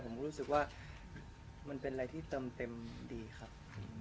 ผมก็รู้สึกว่ามันเป็นอะไรที่เติมเต็มดีครับ